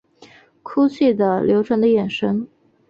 哭泣的流转的眼神